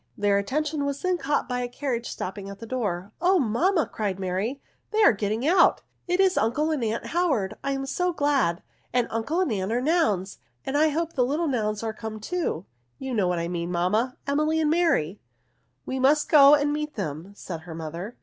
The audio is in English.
Their attention was then caught by the carriage stopping at the door. " Oh, mam ma," cried Mary, " they are getting out. It is uncle and aunt Howard. I am so glad !— and uncle and aunt are nouns, — and T hope the little nouns are come too; you know who I mean, mamma ?— Emily and Mary." "We must go and meet them," said her mother.